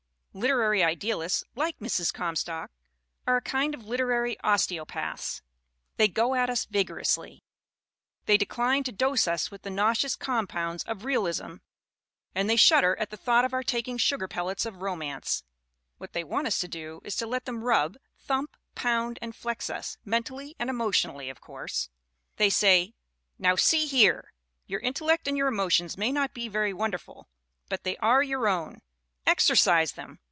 Literary idealists like Mrs. Comstock are a kind of literary osteopaths. They go at us vigorously. They decline to dose us with the nauseous compounds of realism 336 THE WOMEN WHO MAKE OUR NOVELS and they shudder at the thought of our taking sugar pellets of romance. What they want us to do is to let them rub, thump, pound and flex us mentally and emotionally, of course. They say: "Now, see here! Your intellect and your emotions may not be very wonderful but they are your own. Exercise them!